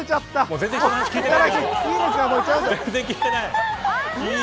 全然人の話聞いてない。